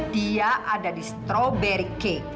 dia ada di stroberi cake